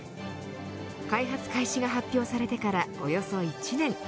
開発開始が発表されてからおよそ１年。